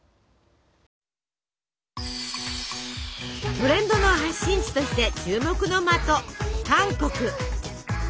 トレンドの発信地として注目の的韓国。